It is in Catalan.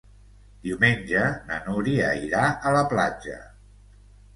Diumenge na Núria irà a la platja.